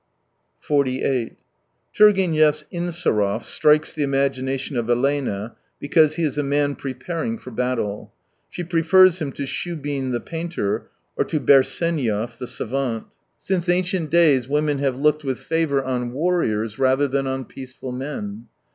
48 Turgenev's Insarov strikes the imagina tion of Elena because he is a man preparing for battle. She pre^rs hini to Shubin the painter, or to Berseniev the savant. Since E 65 ancient days women have looked with favour on warriors rather than on peaceful men.